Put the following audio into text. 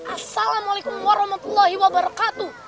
assalamualaikum warahmatullahi wabarakatuh